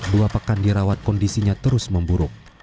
dua pekan dirawat kondisinya terus memburuk